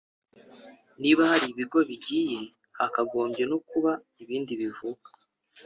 niba hari ibigo bigiye hakagombye no kuba ibindi bivuka